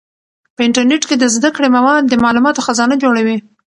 په انټرنیټ کې د زده کړې مواد د معلوماتو خزانه جوړوي.